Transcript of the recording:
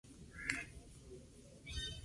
La capital es Ústí nad Labem.